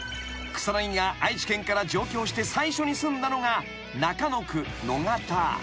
［草薙が愛知県から上京して最初に住んだのが中野区野方］